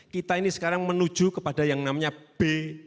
kita ini sekarang menuju kepada yang namanya b satu